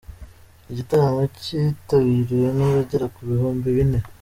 Igitaramo cyitabiriwe n’abagera ku bihumbi bine.